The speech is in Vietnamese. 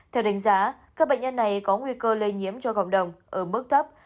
theo đánh giá các bệnh nhân này có nguy cơ lây nhiễm cho cộng đồng ở mức thấp